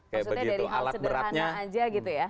maksudnya dari hal sederhana aja gitu ya